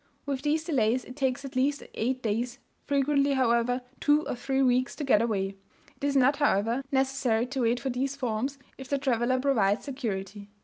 With these delays it takes at least eight days, frequently, however, two or three weeks to get away; it is not, however, necessary to wait for these forms, if the traveller provides security.